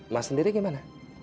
mas sendiri gimana